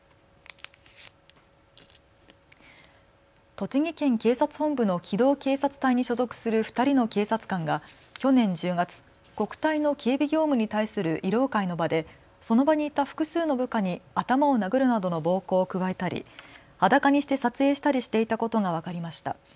栃木県警察本部の機動警察隊に所属する２人の警察官が去年１０月、国体の警備業務に対する慰労会の場でその場にいた複数の部下に頭を殴るなどの暴行を加えたり裸にして撮影したりしていたことが分かりました。